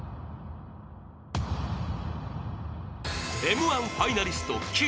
［Ｍ−１ファイナリストキュウ］